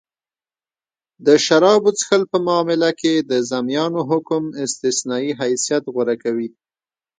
د شرابو څښل په معامله کښي د ذمیانو حکم استثنايي حیثت غوره کوي.